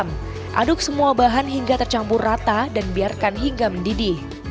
masukkan rebung yang telah ditumis dan biarkan mendidih